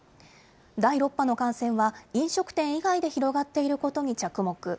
第６波の感染は、飲食店以外で広がっていることに着目。